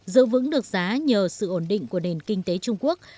giữ vững được giá nhờ sự ổn định của nền kinh tế trung quốc